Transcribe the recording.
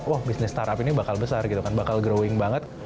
wah bisnis startup ini bakal besar gitu kan bakal growing banget